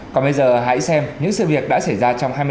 còn bây giờ hãy xem những sự việc đã xảy ra trong hai mươi bốn giờ qua